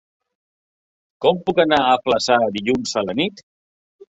Com puc anar a Flaçà dilluns a la nit?